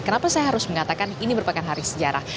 kenapa saya harus mengatakan ini merupakan hari sejarah